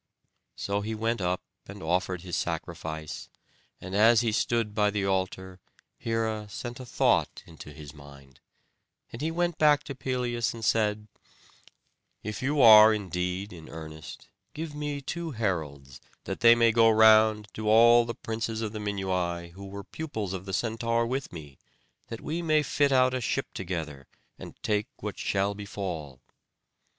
So he went up, and offered his sacrifice; and as he stood by the altar, Hera sent a thought into his mind; and he went back to Pelias, and said: "If you are indeed in earnest, give me two heralds, that they may go round to all the princes of the Minuai who were pupils of the Centaur with me, that we may fit out a ship together, and take what shall befall."